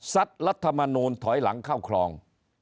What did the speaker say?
รัฐมนูลถอยหลังเข้าคลอง